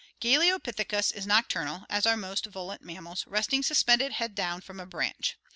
Galeopithecus is nocturnal, as are most volant mammals, resting suspended, head down, from a branch.